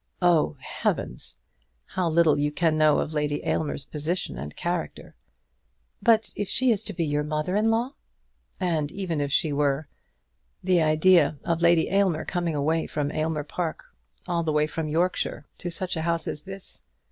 "Oh, heavens! How little you can know of Lady Aylmer's position and character!" "But if she is to be your mother in law?" "And even if she were! The idea of Lady Aylmer coming away from Aylmer Park, all the way from Yorkshire, to such a house as this!